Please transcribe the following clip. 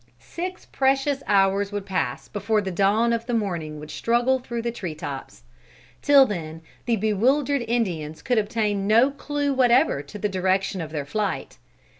Six precious hours would pass before the dawn of the morning would struggle through the tree tops. Till then the bewildered Indians could obtain no clue whatever to the direction of their flight.